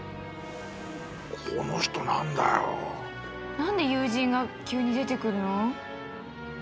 何で友人が急に出てくるの？